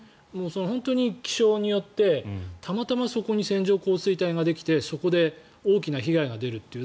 本当に気象によってたまたまそこに線状降水帯ができてそこで大きな被害が出るという。